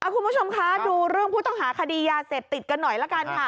คุณผู้ชมคะดูเรื่องผู้ต้องหาคดียาเสพติดกันหน่อยละกันค่ะ